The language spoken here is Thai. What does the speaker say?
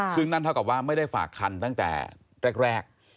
ซึ่งนั่นเท่ากับว่าไม่ได้ฝากคันตั้งแต่แรก